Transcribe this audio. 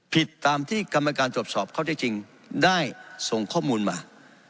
ผิดตามที่กรรมการตรวจสอบข้อได้จริงได้ส่งข้อมูลมา